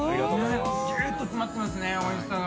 ギュッと詰まってますね、おいしさが。